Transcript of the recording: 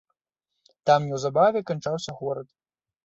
Там неўзабаве канчаўся горад.